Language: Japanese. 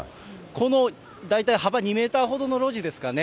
この、大体、幅２メートルほどの路地ですかね。